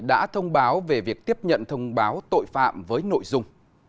đã thông báo về việc tiếp nhận thông báo tội phạm với nội dung